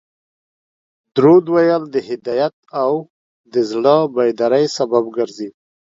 درود ویل د هدایت او د زړه د بیداري سبب ګرځي